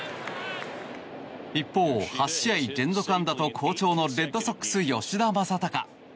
一方、８試合連続安打と好調のレッドソックス、吉田正尚。